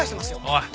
おい！